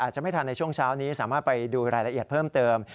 จะไม่ทันในช่วงเช้านี้สามารถไปดูรายละเอียดเพิ่มเติม